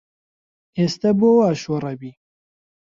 ئێستە بۆ وا شۆڕەبی